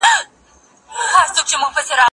زه بازار ته تللی دی،